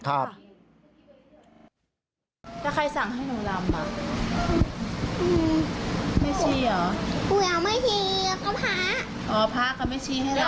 เรามีช่องลำให้เอิญ